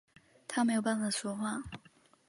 他没有办法说话